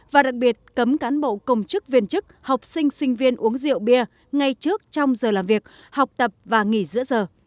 và đặc biệt cấm cán bộ công chức viên chức học sinh sinh viên uống rượu bia ngay trước trong giờ làm việc học tập và nghỉ giữa giờ